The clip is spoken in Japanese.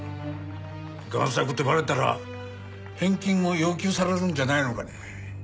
贋作ってバレたら返金を要求されるんじゃないのかね？